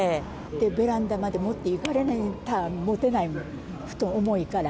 ベランダまで持っていかれない、持てないもん、布団、重いから。